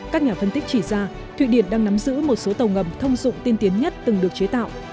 các nhà phân tích chỉ ra thụy điển đang nắm giữ một số tàu ngầm thông dụng tiên tiến nhất từng được chế tạo